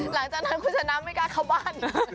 หลังจากนั้นคุณชนะไม่กล้าเข้าบ้าน